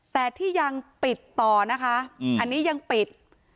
แต่ที่ยังปิดต่อนะคะอันนี้ยังปิด